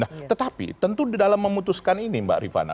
nah tetapi tentu di dalam memutuskan ini mbak rifana